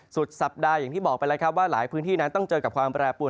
สุดสัปดาห์อย่างที่บอกไปแล้วครับว่าหลายพื้นที่นั้นต้องเจอกับความแปรปวน